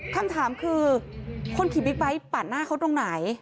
คำถามคือคนขี่บิ๊กไบท์ปาดหน้าเขาตรงไหน